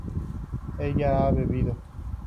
ella ha bebido